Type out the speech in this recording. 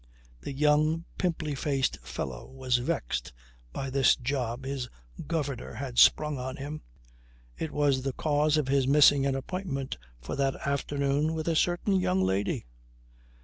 The young, pimply faced fellow was vexed by this job his governor had sprung on him. It was the cause of his missing an appointment for that afternoon with a certain young lady.